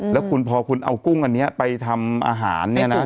แล้วพอคุณเอากุ้งอันนี้ไปทำอาหาร